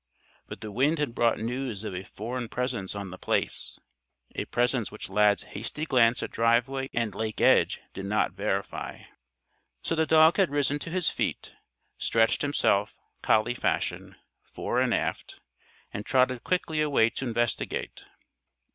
But the wind had brought news of a foreign presence on The Place a presence which Lad's hasty glance at driveway and lake edge did not verify. So the dog had risen to his feet, stretched himself, collie fashion, fore and aft, and trotted quickly away to investigate.